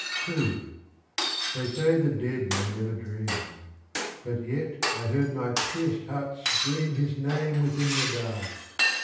II. They say the Dead may never dream. But yet I heard my pierced heart scream His name within the dark.